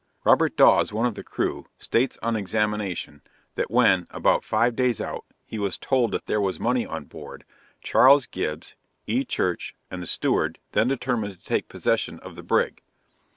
Robert Dawes, one of the crew, states on examination, that when, about five days out, he was told that there was money on board, Charles Gibbs, E. Church and the steward then determined to take possession of the brig.